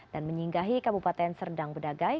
dan menyinggahi kabupaten serdang bedagai